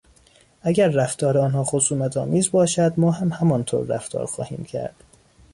اگر رفتار آنها خصومتآمیز باشد ما هم همانطور رفتار خواهیم کرد.